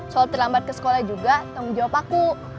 soal terlambat ke sekolah juga tanggung jawab aku